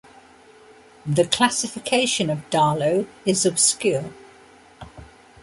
The classification of Dahalo is obscure.